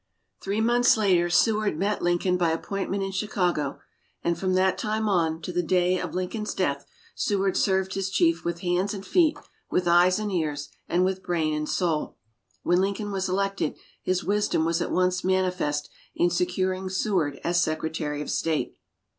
Three months later, Seward met Lincoln by appointment in Chicago; and from that time on, to the day of Lincoln's death, Seward served his chief with hands and feet, with eyes and ears, and with brain and soul. When Lincoln was elected, his wisdom was at once manifest in securing Seward as Secretary of State.